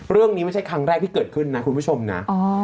ไม่ใช่ครั้งแรกที่เกิดขึ้นนะคุณผู้ชมนะ